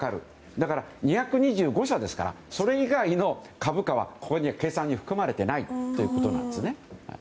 だから、２２５社ですからそれ以外の株価はここの計算には含まれていないということです。